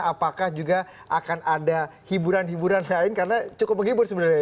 apakah juga akan ada hiburan hiburan lain karena cukup menghibur sebenarnya